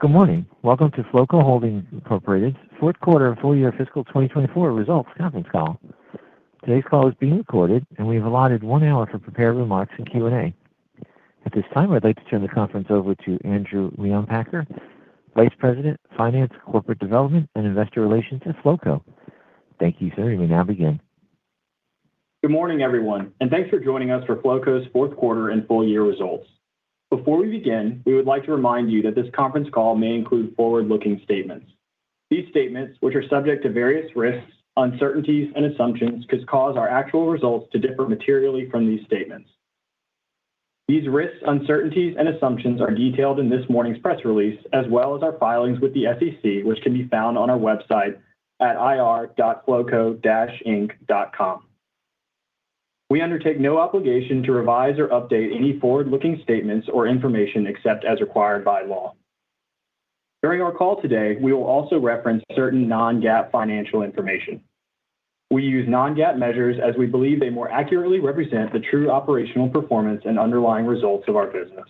Good morning. Welcome to Flowco Holdings Inc fourth quarter of full-year fiscal 2024 results conference call. Today's call is being recorded, and we have allotted one hour for prepared remarks and Q&A. At this time, I'd like to turn the conference over to Andrew Leonpacher, Vice President, Finance, Corporate Development, and Investor Relations at Flowco. Thank you, sir. You may now begin. Good morning, everyone, and thanks for joining us for Flowco's fourth quarter and full-year results. Before we begin, we would like to remind you that this conference call may include forward-looking statements. These statements, which are subject to various risks, uncertainties, and assumptions, could cause our actual results to differ materially from these statements. These risks, uncertainties, and assumptions are detailed in this morning's press release, as well as our filings with the SEC, which can be found on our website at ir.flowco-inc.com. We undertake no obligation to revise or update any forward-looking statements or information except as required by law. During our call today, we will also reference certain non-GAAP financial information. We use non-GAAP measures as we believe they more accurately represent the true operational performance and underlying results of our business.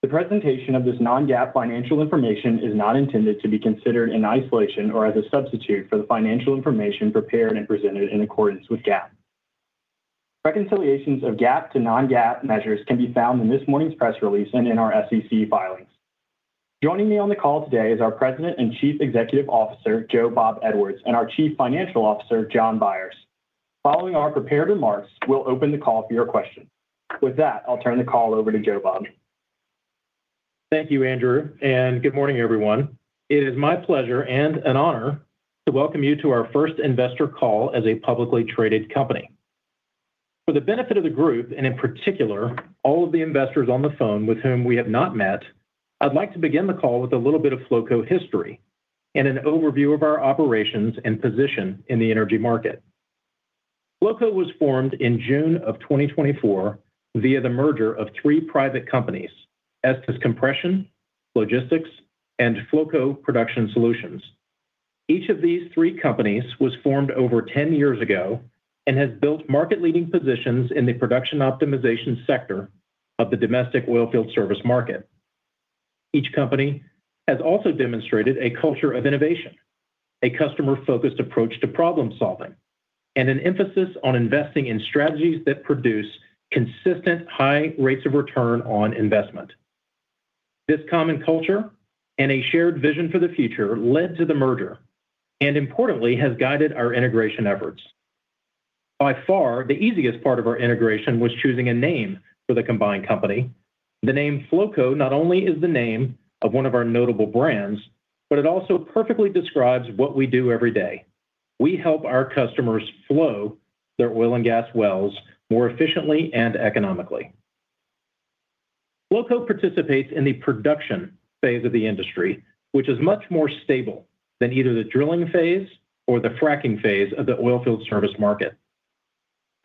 The presentation of this non-GAAP financial information is not intended to be considered in isolation or as a substitute for the financial information prepared and presented in accordance with GAAP. Reconciliations of GAAP to non-GAAP measures can be found in this morning's press release and in our SEC filings. Joining me on the call today is our President and Chief Executive Officer, Joe Bob Edwards, and our Chief Financial Officer, Jon Byers. Following our prepared remarks, we'll open the call for your questions. With that, I'll turn the call over to Joe Bob. Thank you, Andrew, and good morning, everyone. It is my pleasure and an honor to welcome you to our first investor call as a publicly traded company. For the benefit of the group, and in particular, all of the investors on the phone with whom we have not met, I'd like to begin the call with a little bit of Flowco history and an overview of our operations and position in the energy market. Flowco was formed in June of 2024 via the merger of three private companies, Estis Compression, Flogistix, and Flowco Production Solutions. Each of these three companies was formed over 10 years ago and has built market-leading positions in the production optimization sector of the domestic oilfield service market. Each company has also demonstrated a culture of innovation, a customer-focused approach to problem-solving, and an emphasis on investing in strategies that produce consistent high rates of return on investment. This common culture and a shared vision for the future led to the merger and, importantly, has guided our integration efforts. By far, the easiest part of our integration was choosing a name for the combined company. The name Flowco not only is the name of one of our notable brands, but it also perfectly describes what we do every day. We help our customers flow their oil and gas wells more efficiently and economically. Flowco participates in the production phase of the industry, which is much more stable than either the drilling phase or the fracking phase of the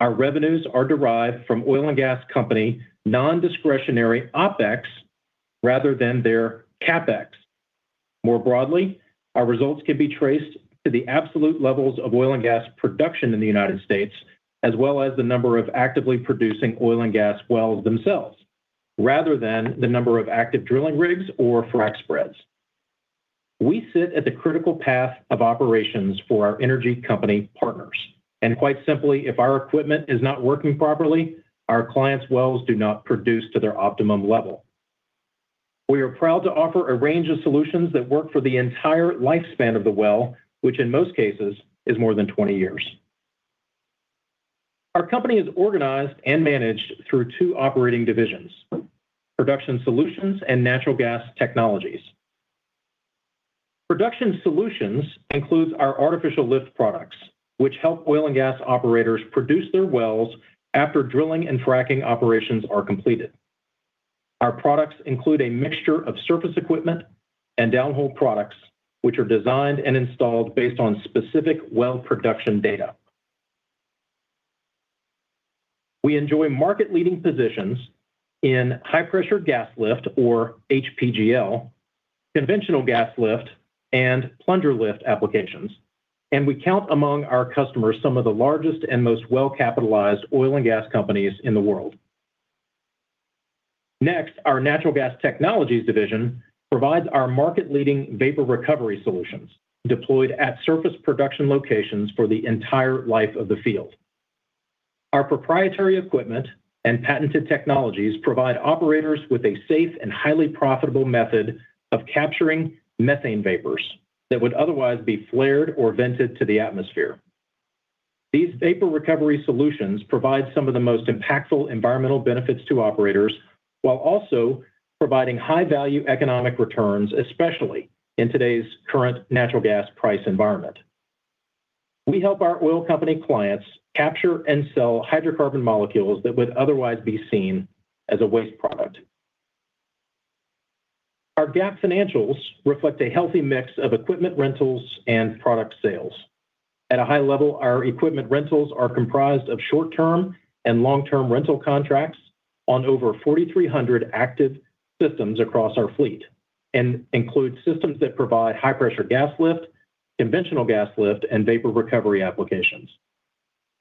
oilfield service market. Our revenues are derived from oil and gas company non-discretionary OpEx rather than their CapEx. More broadly, our results can be traced to the absolute levels of oil and gas production in the U.S., as well as the number of actively producing oil and gas wells themselves, rather than the number of active drilling rigs or frac spreads. We sit at the critical path of operations for our energy company partners. Quite simply, if our equipment is not working properly, our clients' wells do not produce to their optimum level. We are proud to offer a range of solutions that work for the entire lifespan of the well, which in most cases is more than 20 years. Our company is organized and managed through two operating divisions: Production Solutions and Natural Gas Technologies. Production Solutions includes our artificial lift products, which help oil and gas operators produce their wells after drilling and fracking operations are completed. Our products include a mixture of surface equipment and downhole products, which are designed and installed based on specific well production data. We enjoy market-leading positions in high-pressure gas lift, or HPGL, conventional gas lift, and plunger lift applications, and we count among our customers some of the largest and most well-capitalized oil and gas companies in the world. Next, our Natural Gas Technologies division provides our market-leading vapor recovery solutions deployed at surface production locations for the entire life of the field. Our proprietary equipment and patented technologies provide operators with a safe and highly profitable method of capturing methane vapors that would otherwise be flared or vented to the atmosphere. These vapor recovery solutions provide some of the most impactful environmental benefits to operators, while also providing high-value economic returns, especially in today's current natural gas price environment. We help our oil company clients capture and sell hydrocarbon molecules that would otherwise be seen as a waste product. Our GAAP financials reflect a healthy mix of equipment rentals and product sales. At a high level, our equipment rentals are comprised of short-term and long-term rental contracts on over 4,300 active systems across our fleet and include systems that provide high-pressure gas lift, conventional gas lift, and vapor recovery applications.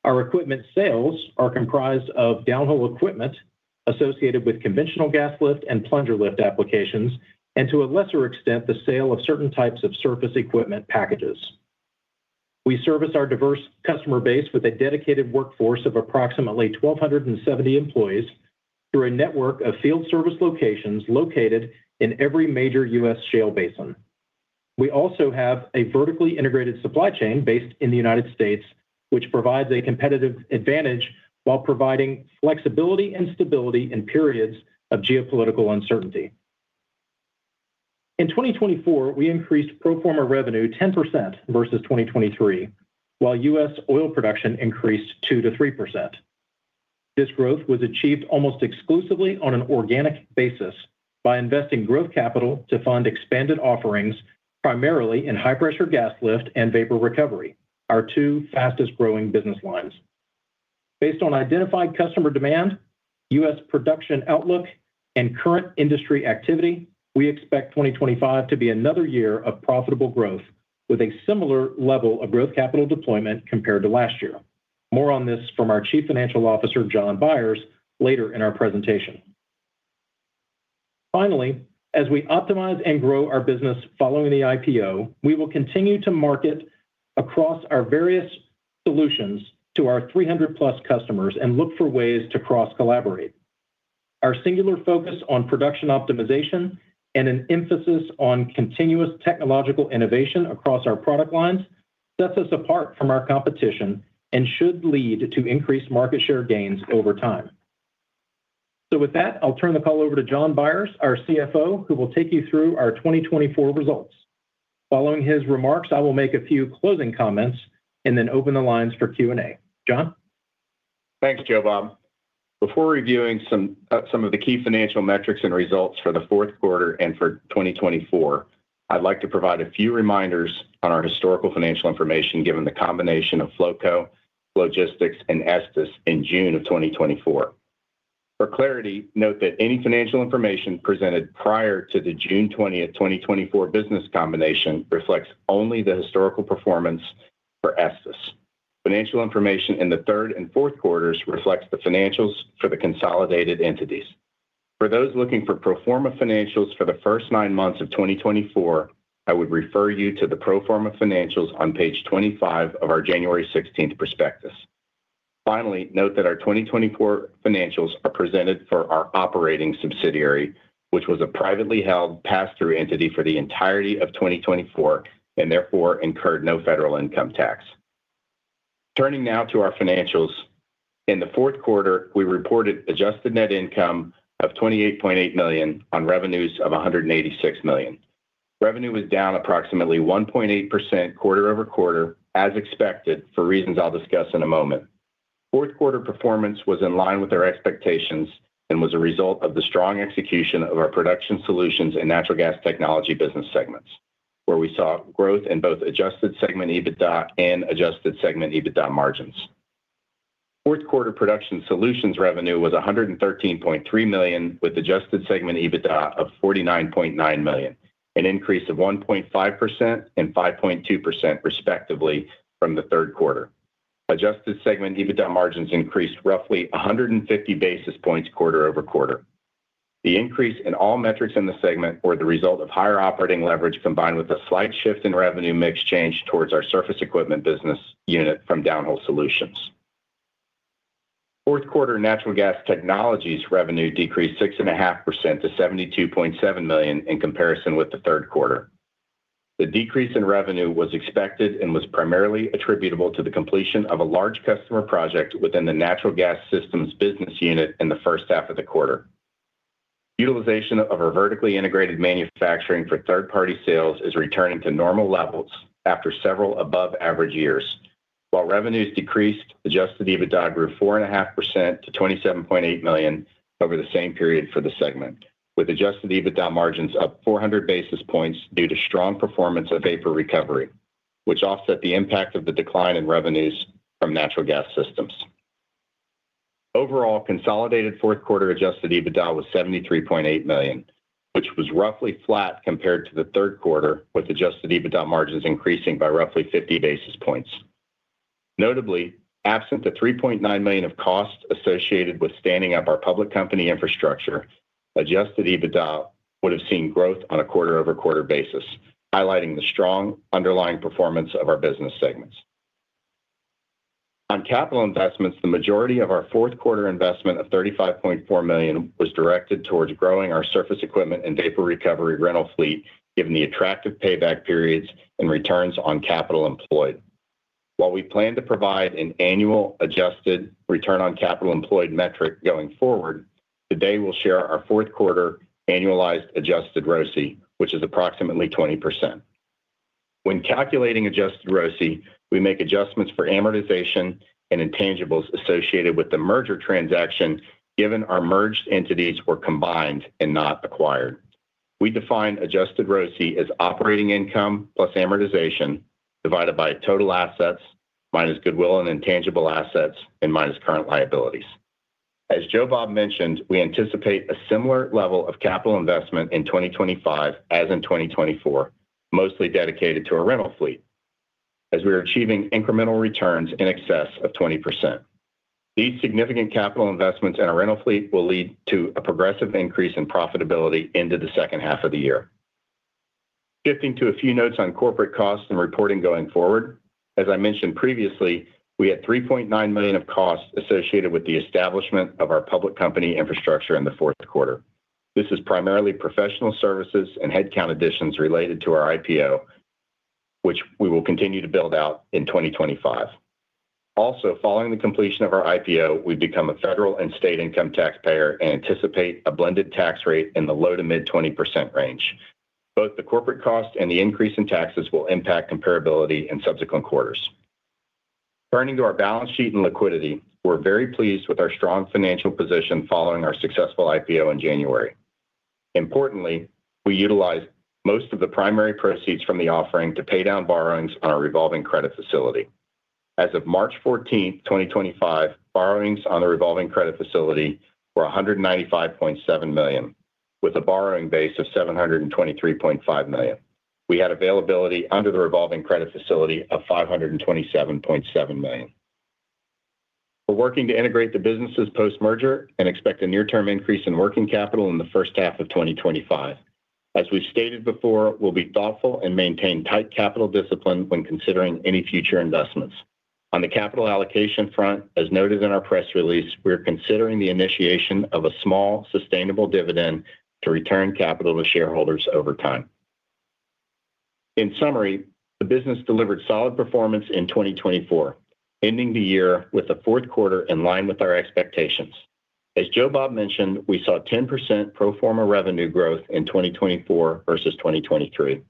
Our equipment sales are comprised of downhole equipment associated with conventional gas lift and plunger lift applications, and to a lesser extent, the sale of certain types of surface equipment packages. We service our diverse customer base with a dedicated workforce of approximately 1,270 employees through a network of field service locations located in every major U.S. shale basin. We also have a vertically integrated supply chain based in the United States, which provides a competitive advantage while providing flexibility and stability in periods of geopolitical uncertainty. In 2024, we increased pro forma revenue 10% versus 2023, while U.S. oil production increased 2%-3%. This growth was achieved almost exclusively on an organic basis by investing growth capital to fund expanded offerings primarily in high-pressure gas lift and vapor recovery, our two fastest-growing business lines. Based on identified customer demand, U.S. production outlook, and current industry activity, we expect 2025 to be another year of profitable growth with a similar level of growth capital deployment compared to last year. More on this from our Chief Financial Officer, Jon Byers, later in our presentation. Finally, as we optimize and grow our business following the IPO, we will continue to market across our various solutions to our 300+ customers and look for ways to cross-collaborate. Our singular focus on production optimization and an emphasis on continuous technological innovation across our product lines sets us apart from our competition and should lead to increased market share gains over time. With that, I'll turn the call over to Jon Byers, our CFO, who will take you through our 2024 results. Following his remarks, I will make a few closing comments and then open the lines for Q&A. Jon? Thanks, Joe Bob. Before reviewing some of the key financial metrics and results for the fourth quarter and for 2024, I'd like to provide a few reminders on our historical financial information given the combination of Flowco, Flogistix, and Estis in June of 2024. For clarity, note that any financial information presented prior to the June 20, 2024 business combination reflects only the historical performance for Estis. Financial information in the third and fourth quarters reflects the financials for the consolidated entities. For those looking for pro forma financials for the first nine months of 2024, I would refer you to the pro forma financials on page 25 of our January 16th prospectus. Finally, note that our 2024 financials are presented for our operating subsidiary, which was a privately held pass-through entity for the entirety of 2024 and therefore incurred no federal income tax. Turning now to our financials, in the fourth quarter, we reported adjusted net income of $28.8 million on revenues of $186 million. Revenue was down approximately 1.8% quarter-over-quarter, as expected for reasons I'll discuss in a moment. Fourth quarter performance was in line with our expectations and was a result of the strong execution of our Natural Gas Technologies business segments, where we saw growth in both Adjusted EBITDA and Adjusted EBITDA margins. Fourth quarter Production Solutions revenue was $113.3 million with Adjusted EBITDA of $49.9 million, an increase of 1.5% and 5.2% respectively from the third quarter. Adjusted EBITDA margins increased roughly 150 basis points quarter-over-quarter. The increase in all metrics in the segment was the result of higher operating leverage combined with a slight shift in revenue mix change towards our surface equipment business unit from downhole solutions. Fourth quarter Natural Gas Technologies revenue decreased 6.5% to $72.7 million in comparison with the third quarter. The decrease in revenue was expected and was primarily attributable to the completion of a large customer project within the natural gas systems business unit in the first half of the quarter. Utilization of our vertically integrated manufacturing for third-party sales is returning to normal levels after several above-average years. While revenues decreased, Adjusted EBITDA grew 4.5% to $27.8 million over the same period for the segment, with Adjusted EBITDA margins up 400 basis points due to strong performance of vapor recovery, which offset the impact of the decline in revenues from natural gas systems. Overall, consolidated fourth quarter Adjusted EBITDA was $73.8 million, which was roughly flat compared to the third quarter, with Adjusted EBITDA margins increasing by roughly 50 basis points. Notably, absent the $3.9 million of cost associated with standing up our public company infrastructure, Adjusted EBITDA would have seen growth on a quarter-over-quarter basis, highlighting the strong underlying performance of our business segments. On capital investments, the majority of our fourth quarter investment of $35.4 million was directed towards growing our surface equipment and vapor recovery rental fleet, given the attractive payback periods and returns on capital employed. While we plan to provide an annual adjusted return on capital employed metric going forward, today we will share our fourth quarter annualized adjusted ROCE, which is approximately 20%. When calculating adjusted ROCE, we make adjustments for amortization and intangibles associated with the merger transaction, given our merged entities were combined and not acquired. We define adjusted ROCE as operating income plus amortization divided by total assets minus goodwill and intangible assets and minus current liabilities. As Joe Bob mentioned, we anticipate a similar level of capital investment in 2025 as in 2024, mostly dedicated to our rental fleet, as we are achieving incremental returns in excess of 20%. These significant capital investments in our rental fleet will lead to a progressive increase in profitability into the second half of the year. Shifting to a few notes on corporate costs and reporting going forward, as I mentioned previously, we had $3.9 million of costs associated with the establishment of our public company infrastructure in the fourth quarter. This is primarily professional services and headcount additions related to our IPO, which we will continue to build out in 2025. Also, following the completion of our IPO, we become a federal and state income taxpayer and anticipate a blended tax rate in the low to mid-20% range. Both the corporate cost and the increase in taxes will impact comparability in subsequent quarters. Turning to our balance sheet and liquidity, we're very pleased with our strong financial position following our successful IPO in January. Importantly, we utilized most of the primary proceeds from the offering to pay down borrowings on our revolving credit facility. As of March 14th, 2025, borrowings on the revolving credit facility were $195.7 million, with a borrowing base of $723.5 million. We had availability under the revolving credit facility of $527.7 million. We're working to integrate the businesses post-merger and expect a near-term increase in working capital in the first half of 2025. As we've stated before, we'll be thoughtful and maintain tight capital discipline when considering any future investments. On the capital allocation front, as noted in our press release, we are considering the initiation of a small sustainable dividend to return capital to shareholders over time. In summary, the business delivered solid performance in 2024, ending the year with the fourth quarter in line with our expectations. As Joe Bob mentioned, we saw 10% pro forma revenue growth in 2024 versus 2023.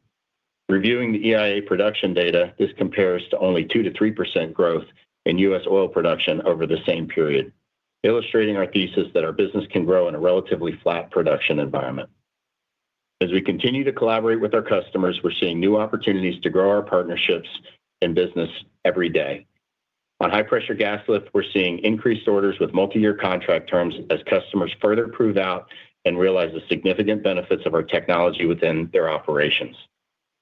Reviewing the EIA production data, this compares to only 2%-3% growth in U.S. oil production over the same period, illustrating our thesis that our business can grow in a relatively flat production environment. As we continue to collaborate with our customers, we're seeing new opportunities to grow our partnerships and business every day. On high-pressure gas lift, we're seeing increased orders with multi-year contract terms as customers further prove out and realize the significant benefits of our technology within their operations.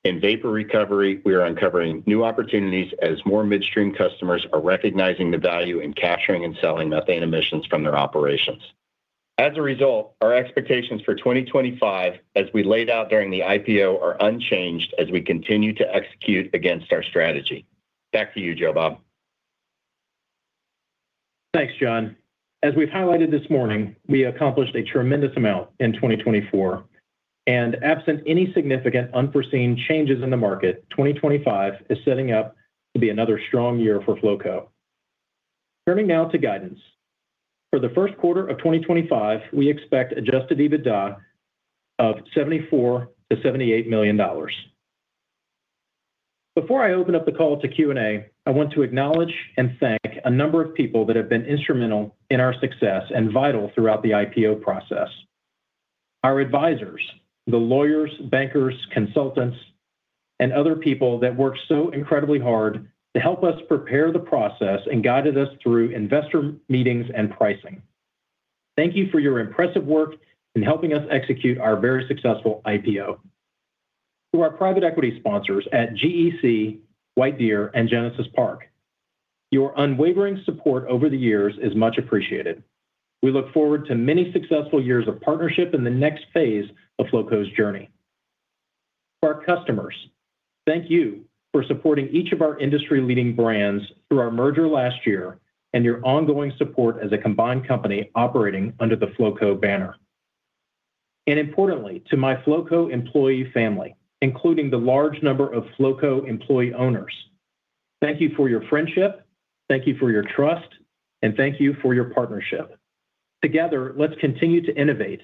In vapor recovery, we are uncovering new opportunities as more midstream customers are recognizing the value in capturing and selling methane emissions from their operations. As a result, our expectations for 2025, as we laid out during the IPO, are unchanged as we continue to execute against our strategy. Back to you, Joe Bob. Thanks, Jon. As we've highlighted this morning, we accomplished a tremendous amount in 2024. Absent any significant unforeseen changes in the market, 2025 is setting up to be another strong year for Flowco. Turning now to guidance. For the first quarter of 2025, we expect Adjusted EBITDA of $74 million-$78 million. Before I open up the call to Q&A, I want to acknowledge and thank a number of people that have been instrumental in our success and vital throughout the IPO process: our advisors, the lawyers, bankers, consultants, and other people that worked so incredibly hard to help us prepare the process and guided us through investor meetings and pricing. Thank you for your impressive work in helping us execute our very successful IPO. To our private equity sponsors at GEC, White Deer Energy, and Genesis Park, your unwavering support over the years is much appreciated. We look forward to many successful years of partnership in the next phase of Flowco's journey. To our customers, thank you for supporting each of our industry-leading brands through our merger last year and your ongoing support as a combined company operating under the Flowco banner. Importantly, to my Flowco employee family, including the large number of Flowco employee owners, thank you for your friendship, thank you for your trust, and thank you for your partnership. Together, let's continue to innovate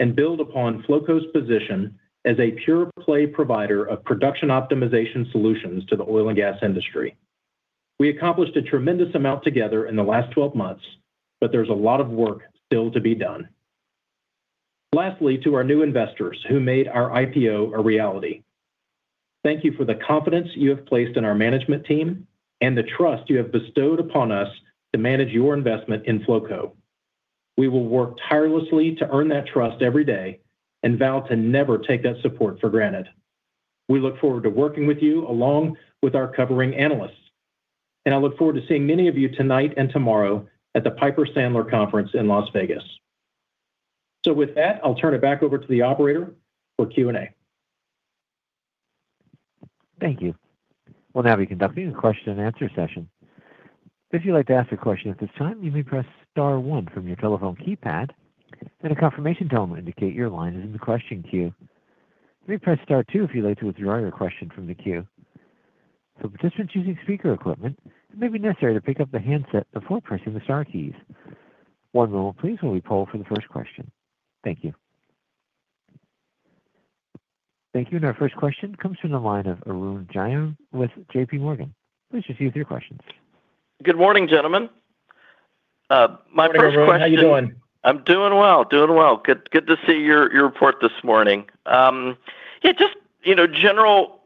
and build upon Flowco's position as a pure-play provider of production optimization solutions to the oil and gas industry. We accomplished a tremendous amount together in the last 12 months, but there's a lot of work still to be done. Lastly, to our new investors who made our IPO a reality. Thank you for the confidence you have placed in our management team and the trust you have bestowed upon us to manage your investment in Flowco. We will work tirelessly to earn that trust every day and vow to never take that support for granted. We look forward to working with you along with our covering analysts. I look forward to seeing many of you tonight and tomorrow at the Piper Sandler Conference in Las Vegas. With that, I'll turn it back over to the operator for Q&A. Thank you. We'll now be conducting a question and answer session. If you'd like to ask a question at this time, you may press star one from your telephone keypad. A confirmation tone will indicate your line is in the question queue. You may press star two if you'd like to withdraw your question from the queue. For participants using speaker equipment, it may be necessary to pick up the handset before pressing the star keys. One moment please while we poll for the first question. Thank you. Our first question comes from the line of Arun Jayaram with JPMorgan. Please proceed with your questions. Good morning, gentlemen. My first question. How are you doing? I'm doing well. Doing well. Good to see your report this morning. Yeah, just general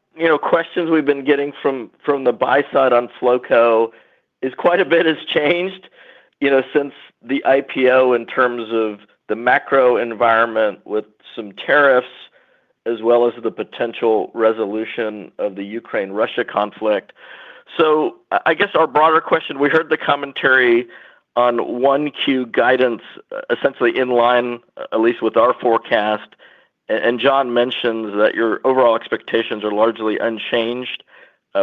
questions we've been getting from the buy side on Flowco is quite a bit has changed since the IPO in terms of the macro environment with some tariffs as well as the potential resolution of the Ukraine-Russia conflict. I guess our broader question, we heard the commentary on 1Q guidance, essentially in line, at least with our forecast. Jon mentions that your overall expectations are largely unchanged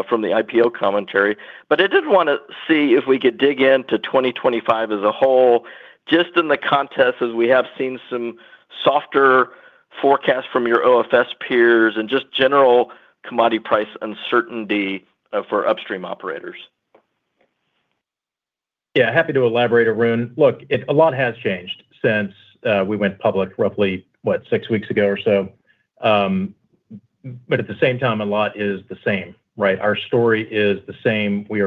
from the IPO commentary. I did want to see if we could dig into 2025 as a whole, just in the context as we have seen some softer forecasts from your OFS peers and just general commodity price uncertainty for upstream operators. Yeah, happy to elaborate, Arun. Look, a lot has changed since we went public roughly, what, six weeks ago or so. At the same time, a lot is the same, right? Our story is the same. We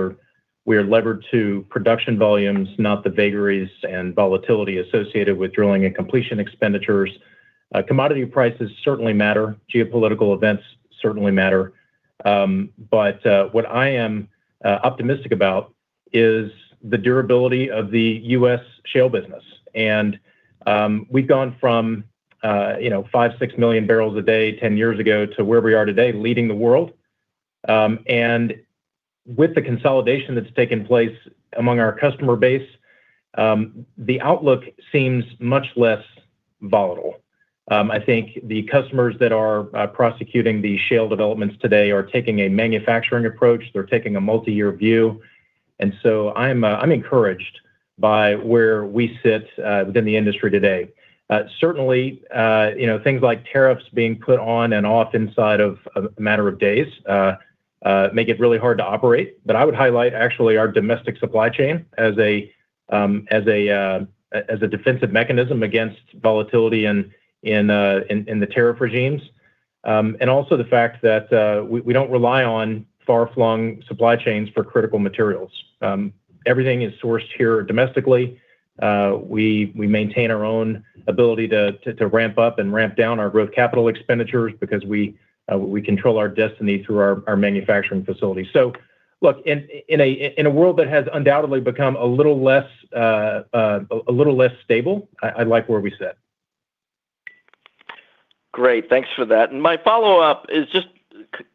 are levered to production volumes, not the vagaries and volatility associated with drilling and completion expenditures. Commodity prices certainly matter. Geopolitical events certainly matter. What I am optimistic about is the durability of the U.S. shale business. We have gone from five, six million barrels a day 10 years ago to where we are today, leading the world. With the consolidation that has taken place among our customer base, the outlook seems much less volatile. I think the customers that are prosecuting the shale developments today are taking a manufacturing approach. They are taking a multi-year view. I am encouraged by where we sit within the industry today. Certainly, things like tariffs being put on and off inside of a matter of days make it really hard to operate. I would highlight, actually, our domestic supply chain as a defensive mechanism against volatility in the tariff regimes. Also the fact that we do not rely on far-flung supply chains for critical materials. Everything is sourced here domestically. We maintain our own ability to ramp up and ramp down our growth capital expenditures because we control our destiny through our manufacturing facility. In a world that has undoubtedly become a little less stable, I like where we sit. Great. Thanks for that. My follow-up is just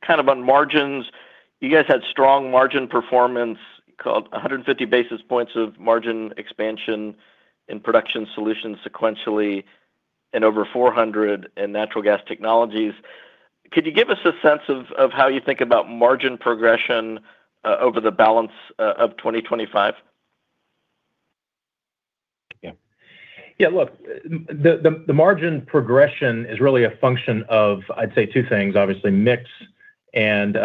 kind of on margins. You guys had strong margin performance, called 150 basis points of margin expansion in Production Solutions sequentially and over 400 in Natural Gas Technologies. Could you give us a sense of how you think about margin progression over the balance of 2025? Yeah. Yeah, look, the margin progression is really a function of, I'd say, two things, obviously, mix and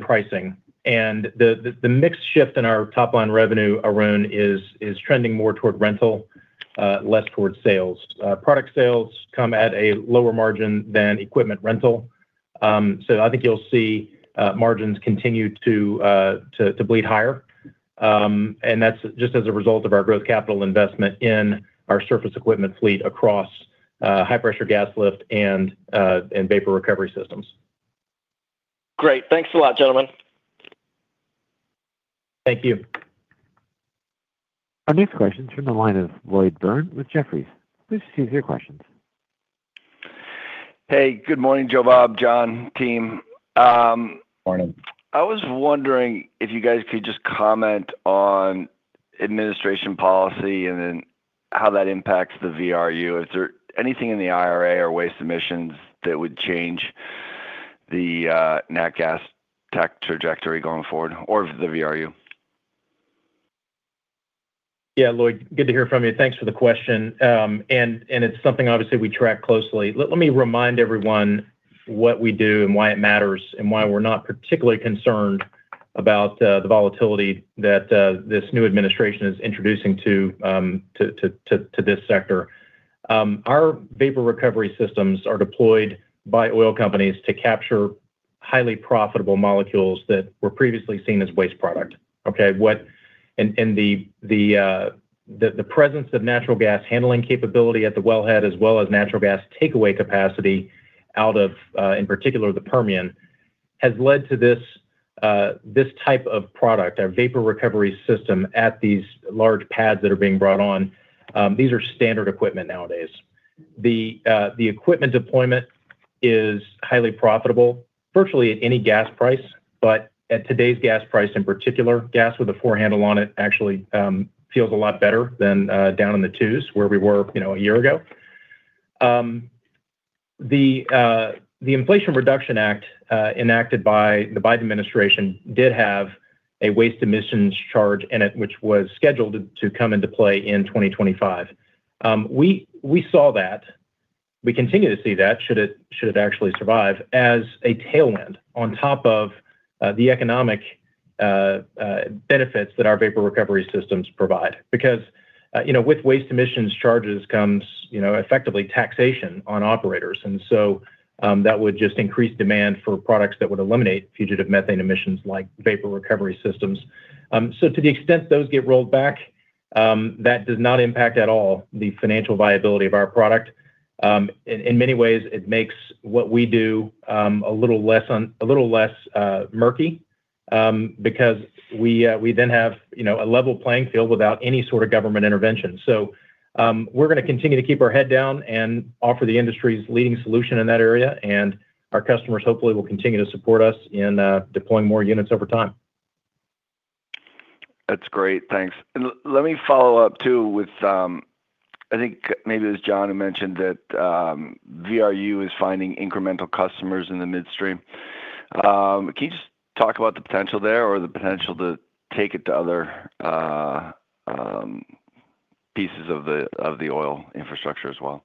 pricing. The mix shift in our top-line revenue, Arun, is trending more toward rental, less toward sales. Product sales come at a lower margin than equipment rental. I think you'll see margins continue to bleed higher. That is just as a result of our growth capital investment in our surface equipment fleet across high-pressure gas lift and vapor recovery systems. Great. Thanks a lot, gentlemen. Thank you. Our next question is from the line of Lloyd Byrne with Jefferies. Please proceed with your questions. Hey, good morning, Joe Bob, Jon, team. Morning. I was wondering if you guys could just comment on administration policy and then how that impacts the VRU. Is there anything in the IRA or waste emissions that would change the natural gas tech trajectory going forward or the VRU? Yeah, Lloyd, good to hear from you. Thanks for the question. It is something, obviously, we track closely. Let me remind everyone what we do and why it matters and why we're not particularly concerned about the volatility that this new administration is introducing to this sector. Our vapor recovery systems are deployed by oil companies to capture highly profitable molecules that were previously seen as waste product. Okay? The presence of natural gas handling capability at the wellhead, as well as natural gas takeaway capacity out of, in particular, the Permian, has led to this type of product, our vapor recovery system at these large pads that are being brought on. These are standard equipment nowadays. The equipment deployment is highly profitable virtually at any gas price. At today's gas price in particular, gas with a four-handle on it actually feels a lot better than down in the twos where we were a year ago. The Inflation Reduction Act enacted by the Biden administration did have a waste emissions charge in it, which was scheduled to come into play in 2025. We saw that. We continue to see that, should it actually survive, as a tailwind on top of the economic benefits that our vapor recovery systems provide. Because with waste emissions charges comes effectively taxation on operators. That would just increase demand for products that would eliminate fugitive methane emissions like vapor recovery systems. To the extent those get rolled back, that does not impact at all the financial viability of our product. In many ways, it makes what we do a little less murky because we then have a level playing field without any sort of government intervention. We are going to continue to keep our head down and offer the industry's leading solution in that area. Our customers, hopefully, will continue to support us in deploying more units over time. That's great. Thanks. Let me follow up too with, I think maybe it was Jon who mentioned that VRU is finding incremental customers in the midstream. Can you just talk about the potential there or the potential to take it to other pieces of the oil infrastructure as well?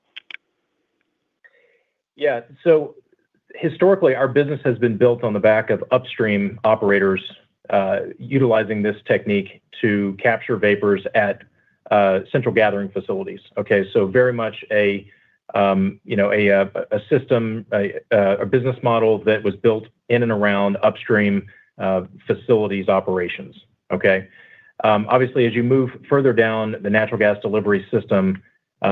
Yeah. Historically, our business has been built on the back of upstream operators utilizing this technique to capture vapors at central gathering facilities. Okay? Very much a system, a business model that was built in and around upstream facilities operations. Okay? Obviously, as you move further down the natural gas delivery system,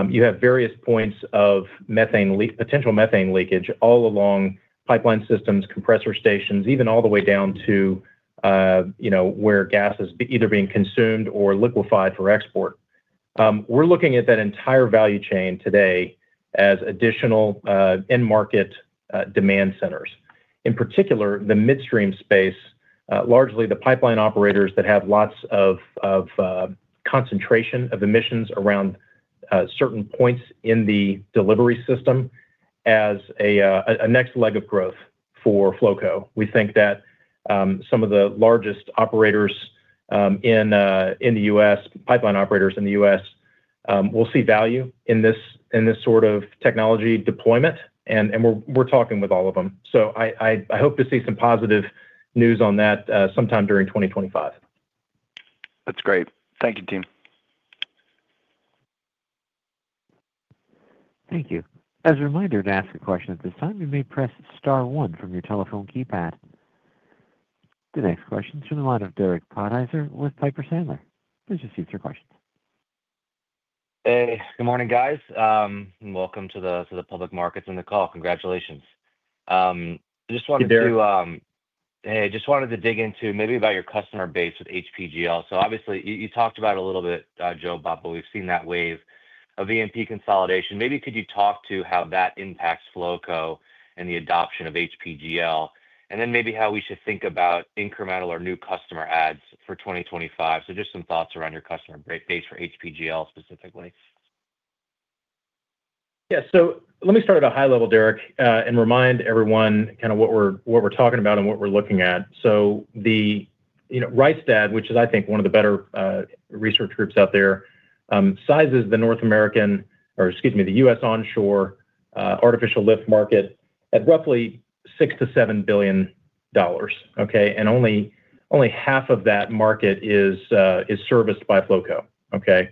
you have various points of potential methane leakage all along pipeline systems, compressor stations, even all the way down to where gas is either being consumed or liquefied for export. We're looking at that entire value chain today as additional in-market demand centers. In particular, the midstream space, largely the pipeline operators that have lots of concentration of emissions around certain points in the delivery system as a next leg of growth for Flowco. We think that some of the largest operators in the U.S., pipeline operators in the U.S., will see value in this sort of technology deployment. We are talking with all of them. I hope to see some positive news on that sometime during 2025. That's great. Thank you, team. Thank you. As a reminder to ask a question at this time, you may press star one from your telephone keypad. The next question is from the line of Derek Podhaizer with Piper Sandler. Please proceed with your questions. Hey. Good morning, guys. Welcome to the public markets and the call. Congratulations. I just wanted to. Hey, Derek. Hey, I just wanted to dig into maybe about your customer base with HPGL. Obviously, you talked about it a little bit, Joe Bob, but we've seen that wave of E&P consolidation. Maybe could you talk to how that impacts Flowco and the adoption of HPGL? Maybe how we should think about incremental or new customer adds for 2025. Just some thoughts around your customer base for HPGL specifically. Yeah. Let me start at a high level, Derek, and remind everyone kind of what we're talking about and what we're looking at. The Rystad, which is, I think, one of the better research groups out there, sizes the U.S. onshore artificial lift market at roughly $6 billion-$7 billion. Okay? Only half of that market is serviced by Flowco. Okay?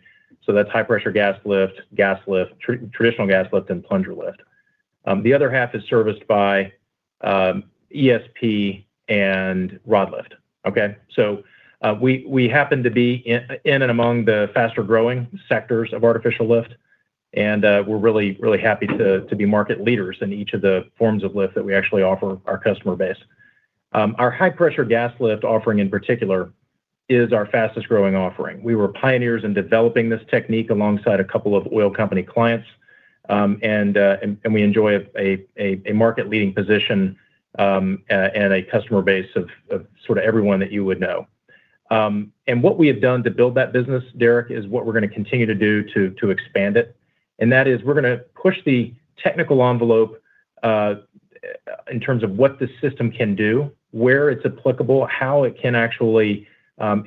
That is high-pressure gas lift, gas lift, traditional gas lift, and plunger lift. The other half is serviced by ESP and rod lift. Okay? We happen to be in and among the faster-growing sectors of artificial lift. We're really, really happy to be market leaders in each of the forms of lift that we actually offer our customer base. Our high-pressure gas lift offering in particular is our fastest-growing offering. We were pioneers in developing this technique alongside a couple of oil company clients. We enjoy a market-leading position and a customer base of sort of everyone that you would know. What we have done to build that business, Derek, is what we're going to continue to do to expand it. That is, we're going to push the technical envelope in terms of what the system can do, where it's applicable, how it can actually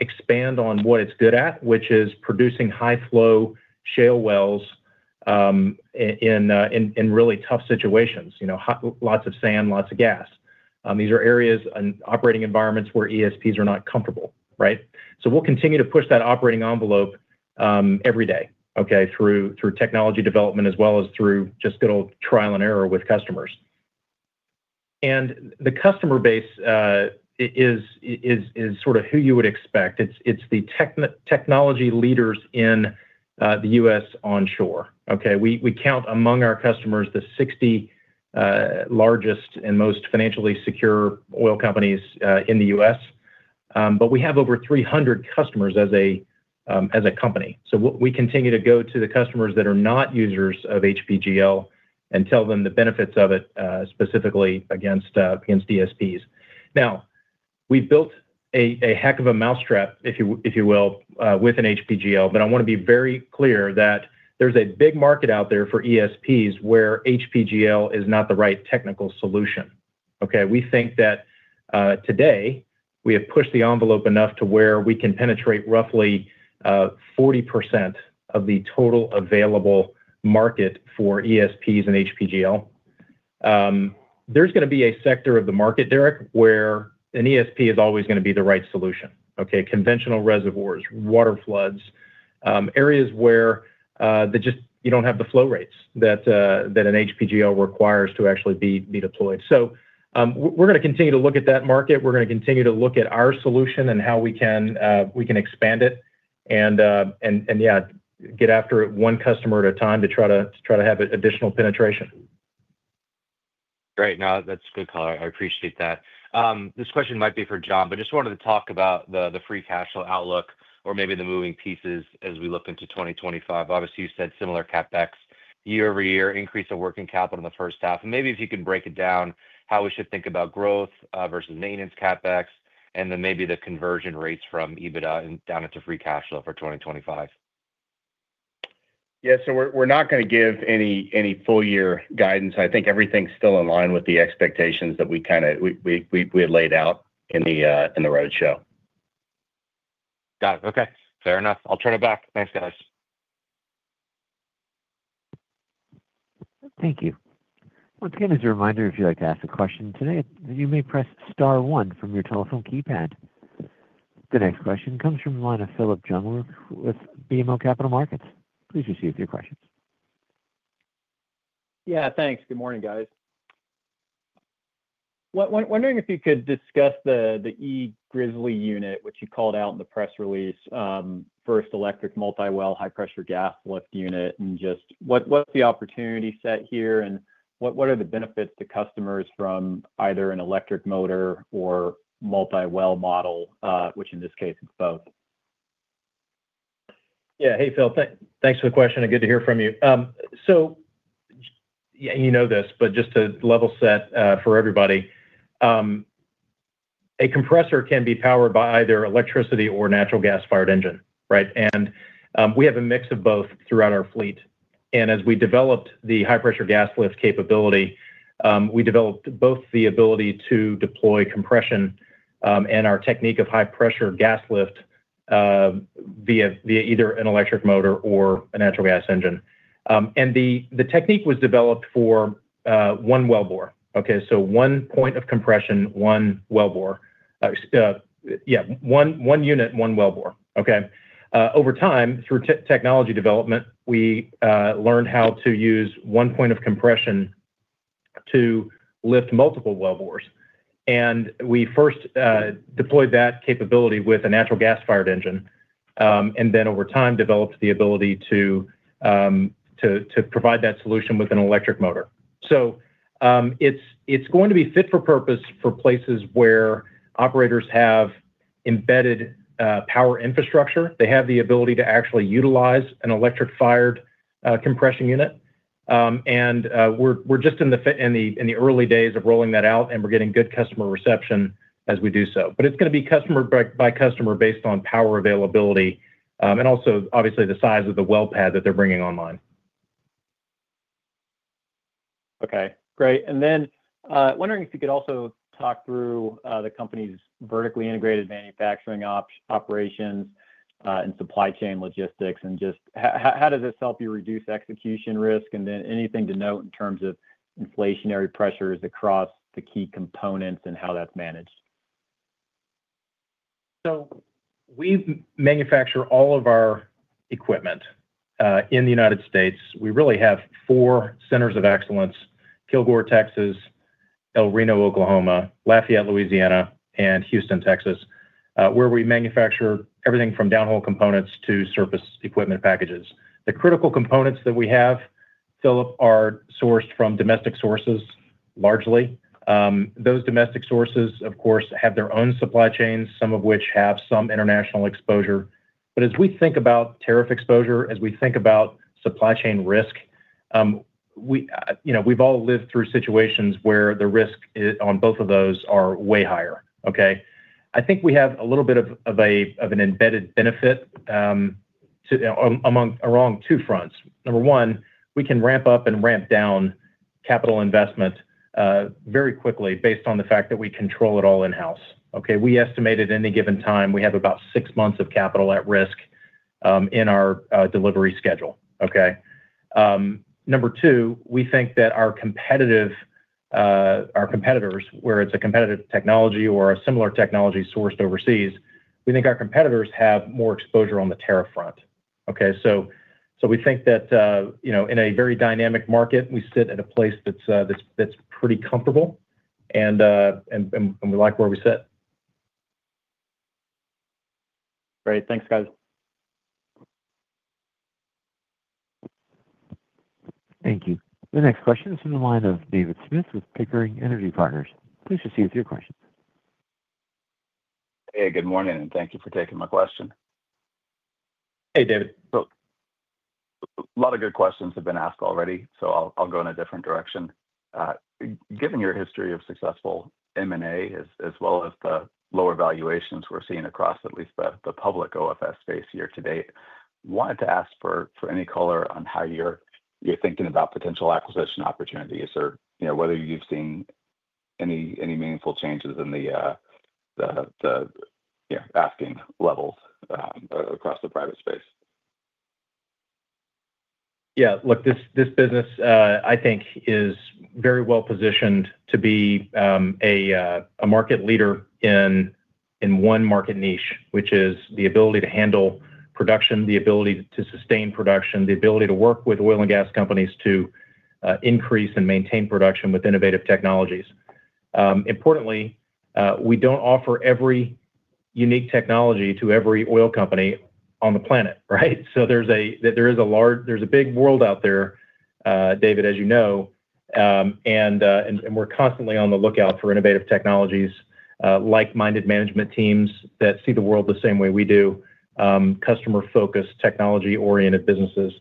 expand on what it's good at, which is producing high-flow shale wells in really tough situations, lots of sand, lots of gas. These are areas and operating environments where ESPs are not comfortable. Right? We will continue to push that operating envelope every day, okay, through technology development as well as through just good old trial and error with customers. The customer base is sort of who you would expect. It's the technology leaders in the U.S. onshore. Okay? We count among our customers the 60 largest and most financially secure oil companies in the U.S. We have over 300 customers as a company. We continue to go to the customers that are not users of HPGL and tell them the benefits of it specifically against ESPs. We have built a heck of a mousetrap, if you will, within HPGL. I want to be very clear that there's a big market out there for ESPs where HPGL is not the right technical solution. Okay? We think that today we have pushed the envelope enough to where we can penetrate roughly 40% of the total available market for ESPs and HPGL. There's going to be a sector of the market, Derek, where an ESP is always going to be the right solution. Okay? Conventional reservoirs, water floods, areas where you do not have the flow rates that an HPGL requires to actually be deployed. We are going to continue to look at that market. We are going to continue to look at our solution and how we can expand it and, yeah, get after it one customer at a time to try to have additional penetration. Great. No, that's good color. I appreciate that. This question might be for Jon, but just wanted to talk about the free cash flow outlook or maybe the moving pieces as we look into 2025. Obviously, you said similar CapEx, year-over-year increase of working capital in the first half. If you can break it down, how we should think about growth versus maintenance CapEx, and then maybe the conversion rates from EBITDA and down into free cash flow for 2025. Yeah. We're not going to give any full-year guidance. I think everything's still in line with the expectations that we had laid out in the roadshow. Got it. Okay. Fair enough. I'll turn it back. Thanks, guys. Thank you. Once again, as a reminder, if you'd like to ask a question today, you may press star one from your telephone keypad. The next question comes from the line of Phillip Jungwirth with BMO Capital Markets. Please proceed with your questions. Yeah. Thanks. Good morning, guys. Wondering if you could discuss the eGrizzly unit, which you called out in the press release, first electric multi-well high-pressure gas lift unit. Just what's the opportunity set here? What are the benefits to customers from either an electric motor or multi-well model, which in this case is both? Yeah. Hey, Phil. Thanks for the question. Good to hear from you. You know this, but just to level set for everybody, a compressor can be powered by either electricity or a natural gas-fired engine, right? We have a mix of both throughout our fleet. As we developed the high-pressure gas lift capability, we developed both the ability to deploy compression and our technique of high-pressure gas lift via either an electric motor or a natural gas engine. The technique was developed for one wellbore, okay? One point of compression, one wellbore. Yeah. One unit, one wellbore, okay? Over time, through technology development, we learned how to use one point of compression to lift multiple wellbores. We first deployed that capability with a natural gas-fired engine and then, over time, developed the ability to provide that solution with an electric motor. It is going to be fit for purpose for places where operators have embedded power infrastructure. They have the ability to actually utilize an electric-fired compression unit. We are just in the early days of rolling that out. We are getting good customer reception as we do so. It is going to be customer by customer based on power availability and also, obviously, the size of the wellpad that they are bringing online. Okay. Great. Wondering if you could also talk through the company's vertically integrated manufacturing operations and supply chain logistics. Just how does this help you reduce execution risk? Anything to note in terms of inflationary pressures across the key components and how that's managed? We manufacture all of our equipment in the United States. We really have four centers of excellence: Kilgore, Texas, El Reno, Oklahoma, Lafayette, Louisiana, and Houston, Texas, where we manufacture everything from downhole components to surface equipment packages. The critical components that we have, Phillip, are sourced from domestic sources largely. Those domestic sources, of course, have their own supply chains, some of which have some international exposure. As we think about tariff exposure, as we think about supply chain risk, we have all lived through situations where the risk on both of those is way higher. I think we have a little bit of an embedded benefit along two fronts. Number one, we can ramp up and ramp down capital investment very quickly based on the fact that we control it all in-house. We estimate at any given time we have about six months of capital at risk in our delivery schedule. Okay? Number two, we think that our competitors, whether it's a competitive technology or a similar technology sourced overseas, we think our competitors have more exposure on the tariff front. Okay? We think that in a very dynamic market, we sit at a place that's pretty comfortable. We like where we sit. Great. Thanks, guys. Thank you. The next question is from the line of David Smith with Pickering Energy Partners. Please proceed with your questions. Hey. Good morning. Thank you for taking my question. Hey, David. A lot of good questions have been asked already. I'll go in a different direction. Given your history of successful M&A as well as the lower valuations we're seeing across at least the public OFS space here today, I wanted to ask for any color on how you're thinking about potential acquisition opportunities or whether you've seen any meaningful changes in the asking levels across the private space. Yeah. Look, this business, I think, is very well-positioned to be a market leader in one market niche, which is the ability to handle production, the ability to sustain production, the ability to work with oil and gas companies to increase and maintain production with innovative technologies. Importantly, we do not offer every unique technology to every oil company on the planet. Right? There is a big world out there, David, as you know. We are constantly on the lookout for innovative technologies, like-minded management teams that see the world the same way we do, customer-focused, technology-oriented businesses.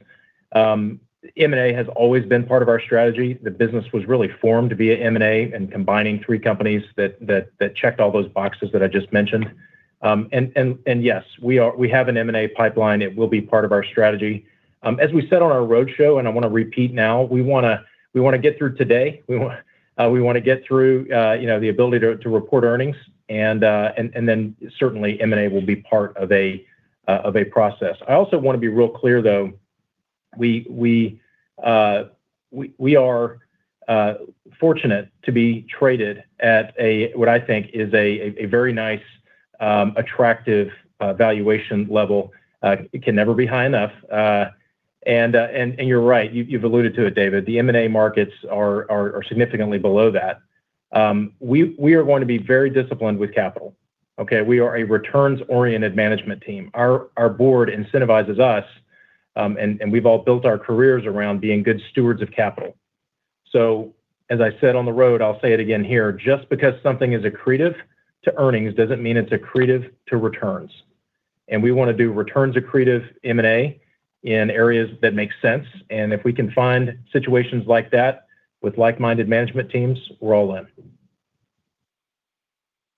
M&A has always been part of our strategy. The business was really formed via M&A and combining three companies that checked all those boxes that I just mentioned. Yes, we have an M&A pipeline. It will be part of our strategy. As we said on our roadshow, and I want to repeat now, we want to get through today. We want to get through the ability to report earnings. Then certainly, M&A will be part of a process. I also want to be real clear, though, we are fortunate to be traded at what I think is a very nice, attractive valuation level. It can never be high enough. You're right. You've alluded to it, David. The M&A markets are significantly below that. We are going to be very disciplined with capital. Okay? We are a returns-oriented management team. Our board incentivizes us. We've all built our careers around being good stewards of capital. As I said on the road, I'll say it again here. Just because something is accretive to earnings doesn't mean it's accretive to returns. We want to do returns-accretive M&A in areas that make sense. If we can find situations like that with like-minded management teams, we're all in.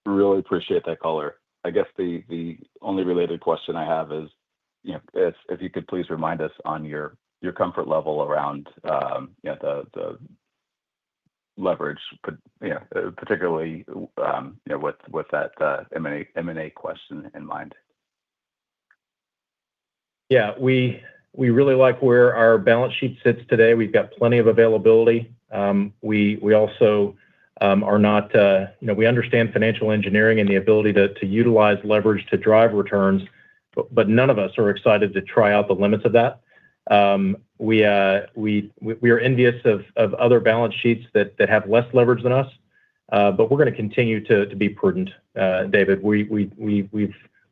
Really appreciate that color. I guess the only related question I have is if you could please remind us on your comfort level around the leverage, particularly with that M&A question in mind. Yeah. We really like where our balance sheet sits today. We've got plenty of availability. We also are not—we understand financial engineering and the ability to utilize leverage to drive returns. None of us are excited to try out the limits of that. We are envious of other balance sheets that have less leverage than us. We're going to continue to be prudent, David. We've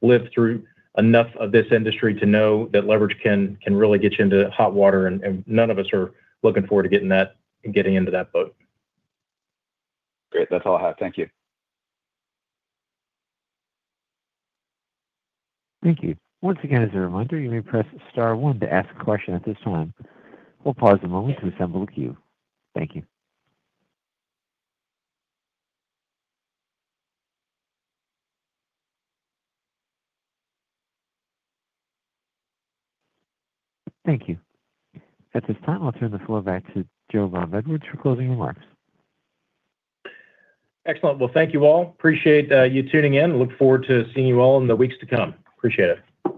lived through enough of this industry to know that leverage can really get you into hot water. None of us are looking forward to getting into that boat. Great. That's all I have. Thank you. Thank you. Once again, as a reminder, you may press star one to ask a question at this time. We'll pause a moment to assemble a queue. Thank you. At this time, I'll turn the floor back to Joe Bob Edwards for closing remarks. Excellent. Thank you all. Appreciate you tuning in. Look forward to seeing you all in the weeks to come. Appreciate it.